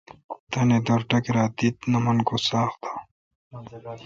تانی در ٹکرہ دی تہ نہ من کو تو ساق تہ